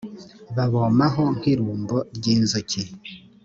babomaho nk’irumbo ry’inzuki